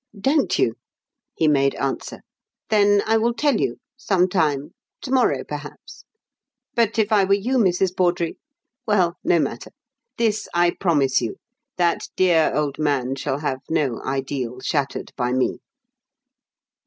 "Don't you?" he made answer. "Then I will tell you some time to morrow, perhaps. But if I were you, Mrs. Bawdrey well, no matter. This I promise you: that dear old man shall have no ideal shattered by me."